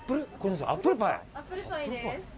アップルパイです。